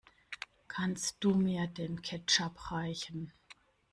Kannst du mir den Ketchup reichen?